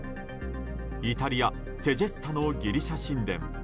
イタリア・セジェスタのギリシャ神殿。